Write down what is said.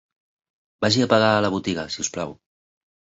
Vagi a pagar a la botiga, si us plau.